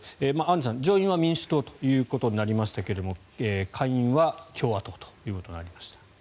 アンジュさん上院は民主党となりましたが下院は共和党ということになりました。